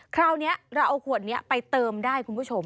คราวนี้เราเอาขวดนี้ไปเติมได้คุณผู้ชม